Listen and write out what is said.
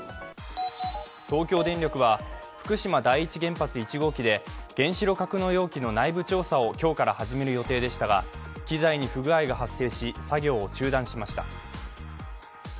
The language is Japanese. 東京電力は福島第一原発１号機で原子炉格納容器の内部調査を今日から始める予定でしたが機材に不具合が発生し作業を中断しました。